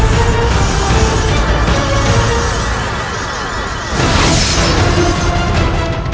mak digital tidak ke tensions